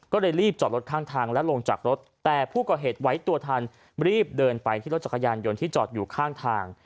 ก็เลยรีบจอดลงจากโถงทางลงจากรถ